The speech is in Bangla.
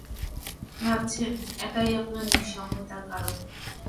ভাবছেন, এটাই আপনার নিঃসঙ্গতার কারণ।